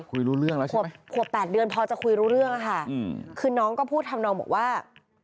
คุยรู้เรื่องแล้วใช่ไหมขวบ๘เดือนพอจะคุยรู้เรื่องอะค่ะคือน้องก็พูดทำนองบอกว่า